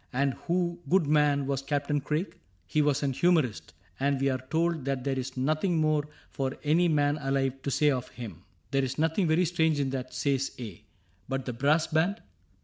—' And who, good man. Was Captain Craig ?'—' He was an humorist ; And we are told that there is nothing more For any man alive to say of him.' —' There is nothing very strange in that,' says A ;' But the brass band